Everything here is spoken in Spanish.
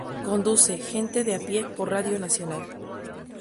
Conduce "Gente de a pie" por Radio Nacional.